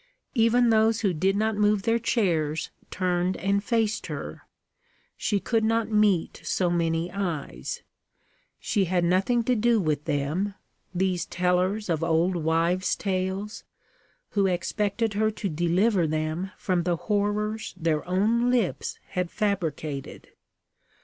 Even those who did not move their chairs turned and faced her. She could not meet so many eyes. She had nothing to do with them these tellers of old wives' tales, who expected her to deliver them from the horrors their own lips had fabricated.